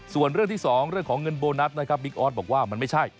ส่วนเรื่องที่๒เรื่องของเงินโบนัสนะครับบิ๊กออสบอกว่ามันไม่ใช่